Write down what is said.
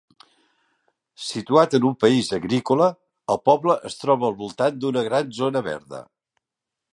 Situat en un país agrícola, el poble es troba al voltant d'una gran zona verda.